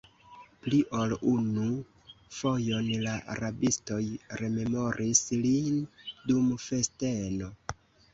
Pli ol unu fojon la rabistoj rememoris lin dum festeno!